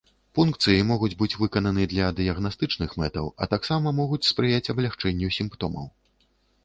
Пункцыі могуць быць выкананы для дыягнастычных мэтаў, а таксама могуць спрыяць аблягчэнню сімптомаў.